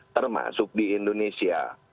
termasuk di indonesia